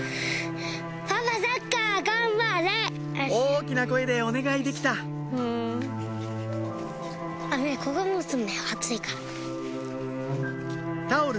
大きな声でお願いできたタオル